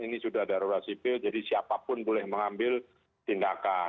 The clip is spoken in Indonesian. ini sudah darurat sipil jadi siapapun boleh mengambil tindakan